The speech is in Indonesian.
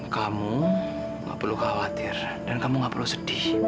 kamu nggak perlu khawatir dan kamu nggak perlu sedih